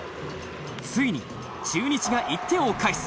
ついに中日が１点を返す。